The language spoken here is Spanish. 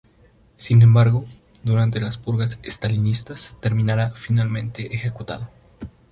Sin embargo, durante las purgas estalinistas terminará finalmente ejecutado.